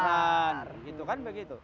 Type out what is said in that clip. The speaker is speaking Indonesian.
kebakaran gitu kan begitu